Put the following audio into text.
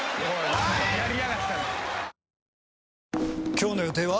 今日の予定は？